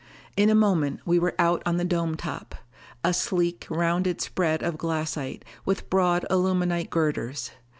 In a moment we were out on the dome top. A sleek, rounded spread of glassite, with broad aluminite girders.